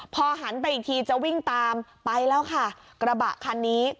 พอหันไปอีกทีจะวิ่งตามไปแล้วค่ะกระบะคันนี้